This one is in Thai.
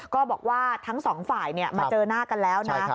ก็บอกว่าทั้งสองฝ่ายมาเจอหน้ากันแล้วนะ